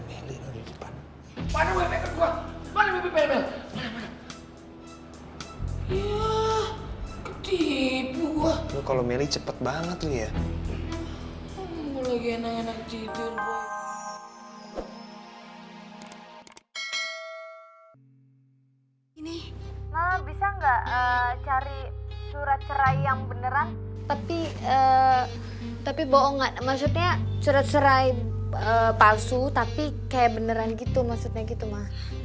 maksudnya surat cerai palsu tapi kayak beneran gitu maksudnya gitu ma